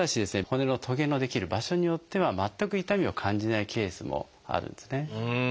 骨のトゲの出来る場所によっては全く痛みを感じないケースもあるんですね。